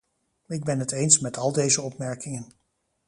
Ik ben het eens met al deze opmerkingen.